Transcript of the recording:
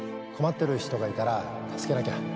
困ってる人がいたら助けなきゃ。